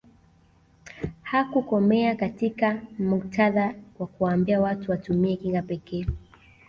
Hakukomei katika muktadha wa kuwaambia watu kutumia kinga pekee